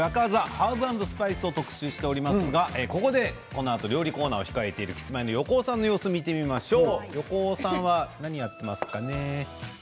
ハーブ＆スパイスを特集しておりますがここで、このあと料理コーナーが控えている横尾さんの様子を見てみましょう。